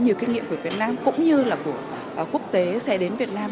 nhiều kinh nghiệm của việt nam cũng như là của quốc tế sẽ đến việt nam